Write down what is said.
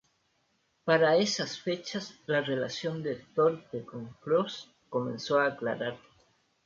Para esas fechas, la relación de Thorpe con Frost comenzó a aclarar.